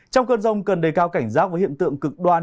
trong cơn rông cần đề cao cảnh giác với hiện tượng cực đoan